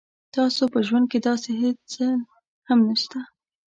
تاسو په ژوند کې داسې هیڅ څه هم نشته